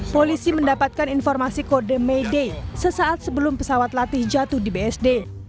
polisi mendapatkan informasi kode may day sesaat sebelum pesawat latih jatuh di bsd